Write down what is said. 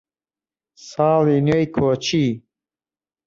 ساڵی نوێی کۆچی